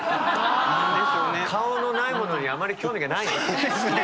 顔のないものにあまり興味がない。